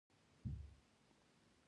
د دوی قومي کرکه یوازې د امتیاز لپاره ده.